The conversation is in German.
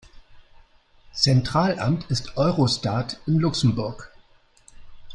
Zentralamt ist Eurostat in Luxemburg.